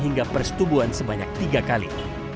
hingga persetubuhan sebanyak tiga kali